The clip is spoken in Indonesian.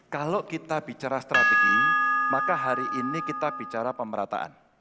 kalau kita bicara strategi maka hari ini kita bicara pemerataan